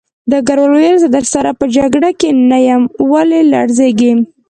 ډګروال وویل زه درسره په جګړه کې نه یم ولې لړزېږې